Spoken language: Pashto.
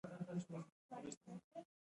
تنوع د افغانستان د فرهنګي فستیوالونو برخه ده.